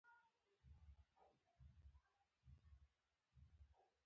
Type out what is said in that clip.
زه پوه شوم چې هغه زما غږ اورېدلای شي